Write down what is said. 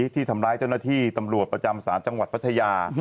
ที่ทำร้ายเจ้าหน้าที่ตำรวจประจำศาลจังหวัดพัทยา